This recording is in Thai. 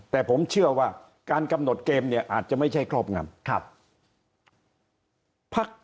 แต่ผมเชื่อว่าการกำหนดเกมเนี่ยอาจจะไม่ใช่ครอบงำพัก